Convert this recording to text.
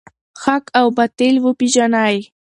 حق او باطل وپیژنئ.